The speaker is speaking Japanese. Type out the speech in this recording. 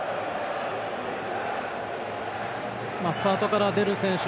スタートから出る選手